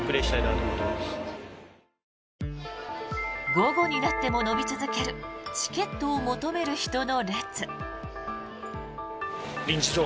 午後になっても延び続けるチケットを求める人の列。